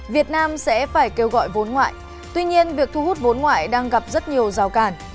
việt nam sẽ phải kêu gọi vốn ngoại tuy nhiên việc thu hút vốn ngoại đang gặp rất nhiều rào cản